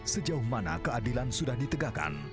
sejauh mana keadilan sudah ditegakkan